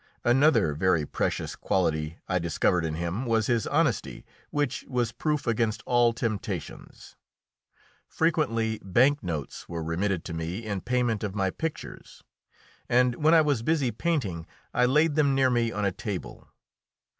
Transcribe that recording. Another very precious quality I discovered in him was his honesty, which was proof against all temptations. Frequently bank notes were remitted to me in payment of my pictures, and when I was busy painting I laid them near me on a table.